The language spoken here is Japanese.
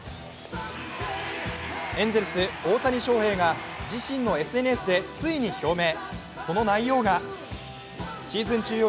エンゼルス・大谷翔平が自身のＳＮＳでついに表明。